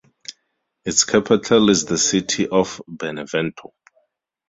Its capital is the city of Benevento.